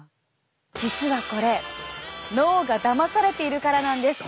実はこれ脳がだまされているからなんです！